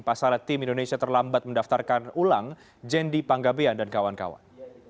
pasalnya tim indonesia terlambat mendaftarkan ulang jendi panggabean dan kawan kawan